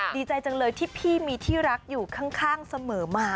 ดีใจจังเลยที่พี่มีที่รักอยู่ข้างเสมอมา